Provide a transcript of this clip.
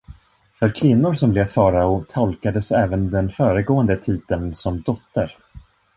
För kvinnor som blev farao tolkades även den föregående titeln som "dotter".